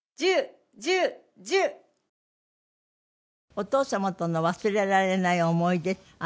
お父様との忘れられない思い出。